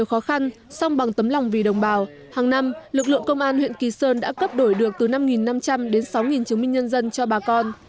hàng năm lực lượng công an huyện kỳ sơn đã cấp đổi được từ năm năm trăm linh đến sáu chứng minh nhân dân cho bà con